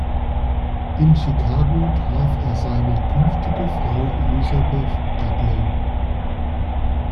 In Chicago traf er seine künftige Frau Elizabeth Dudley.